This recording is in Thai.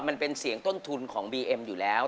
มันเป็นเสียงต้นทุนของบีเอ็มอยู่แล้ว